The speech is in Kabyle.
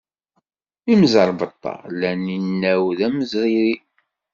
Imẓerbeḍḍa lan inaw d ameẓriri.